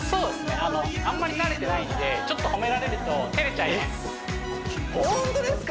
あんまり慣れてないんでちょっと褒められるとホントですか？